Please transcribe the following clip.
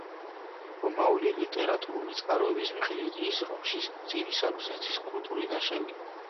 რომაული ლიტერატურული წყაროების მიხედვით ის რომში დიდი საბერძნეთის კულტურიდან შევიდა.